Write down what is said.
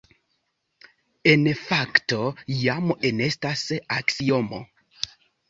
En fakto, jam enestas aksiomo.